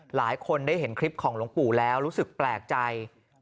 หลายคนได้เห็นคลิปของหลวงปู่แล้วรู้สึกแปลกใจ